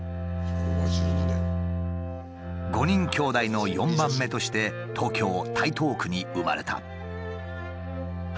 ５人きょうだいの４番目として東京台東区に生まれた。